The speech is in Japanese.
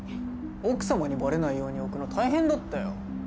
奥様にバレないように置くの大変だったよ。